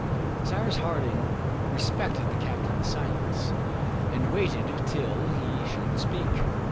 Cyrus Harding respected the captain's silence, and waited till he should speak.